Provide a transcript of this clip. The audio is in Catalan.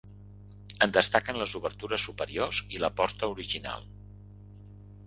En destaquen les obertures superiors i la porta original.